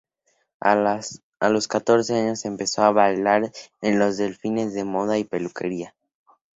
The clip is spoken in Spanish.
A los catorce años empezó a bailar en desfiles de moda y peluquería.